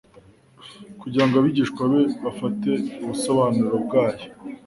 kugira ngo abigishwa be bafate ubusobanuro bwayo.